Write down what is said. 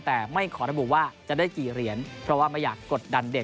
แต่ไม่ขอระบุว่าจะได้กี่เหรียญเพราะว่าไม่อยากกดดันเด็ก